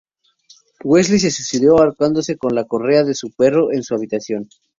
Wesley Se suicidó ahorcándose con la correa de su perro en su habitación.